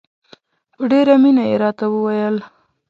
په ډېره مینه یې راته وویل.